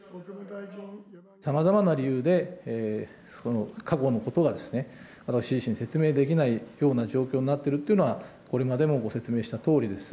さまざまな理由で、過去のことがですね、私自身、説明できないような状況になってるっていうのは、これまでもご説明したとおりです。